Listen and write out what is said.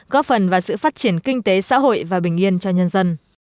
góp phần vào sự phát triển kinh tế xã hội và bình yên cho nhân dân